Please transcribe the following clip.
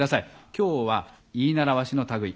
今日は言い習わしの類い。